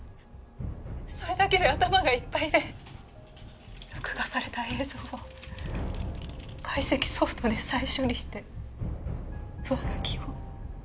それだけで頭がいっぱいで録画された映像を解析ソフトで再処理して上書きを。